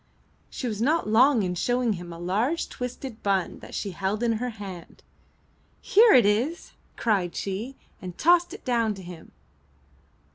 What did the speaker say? She was not long in showing him a large twisted bun that she held in her hand. "Here it is!" cried she, and tossed it down to him.